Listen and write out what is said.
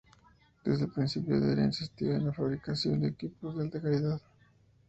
Desde el principio Deere insistió en la fabricación de equipos de alta calidad.